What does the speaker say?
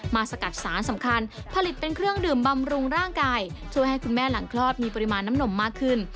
สกัดสารสำคัญผลิตเป็นเครื่องดื่มบำรุงร่างกายช่วยให้คุณแม่หลังคลอดมีปริมาณน้ำนมมากขึ้น